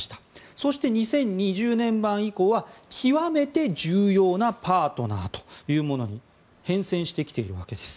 そして、２０２０年版以降は極めて重要なパートナーというものに変遷してきているわけです。